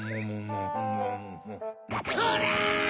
こら！